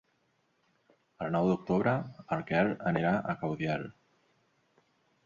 El nou d'octubre en Quel anirà a Caudiel.